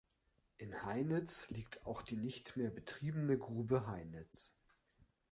In Heinitz liegt auch die nicht mehr betriebene Grube Heinitz.